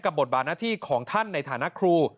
บทบาทหน้าที่ของท่านในฐานะครู